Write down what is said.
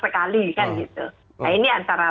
sekali kan gitu nah ini antara